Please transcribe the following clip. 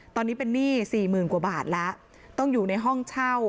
ตอนนี้เป็นหนี้สี่หมื่นกว่าบาทแล้วต้องอยู่ในห้องเช่า